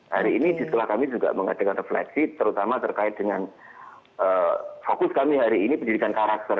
hari ini di sekolah kami juga mengadakan refleksi terutama terkait dengan fokus kami hari ini pendidikan karakter